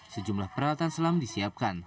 sejumlah peralatan selam disiapkan